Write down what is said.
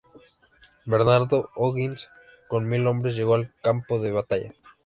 Bernardo O'Higgins, con mil hombres, llegó al campo de batalla.